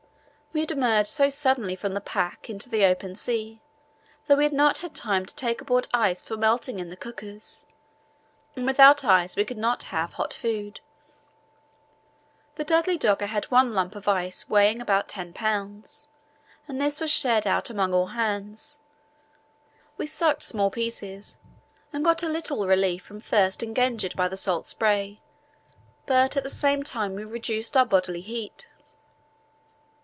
We had emerged so suddenly from the pack into the open sea that we had not had time to take aboard ice for melting in the cookers, and without ice we could not have hot food. The Dudley Docker had one lump of ice weighing about ten pounds, and this was shared out among all hands. We sucked small pieces and got a little relief from thirst engendered by the salt spray, but at the same time we reduced our bodily heat.